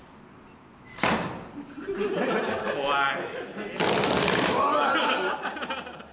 怖い。